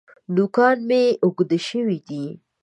نوکان مي اوږده شوي دي .